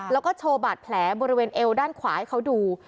แล้วก็โชว์บาดแผลบริเวณเอวด้านขวาให้เขาดู